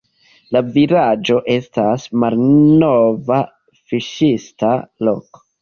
La vilaĝo estas malnova fiŝista loko.